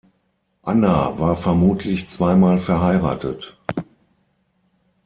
Anna war vermutlich zweimal verheiratet.